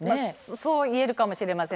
そう言えるかもしれません。